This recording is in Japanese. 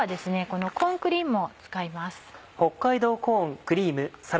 このコーンクリームを使います。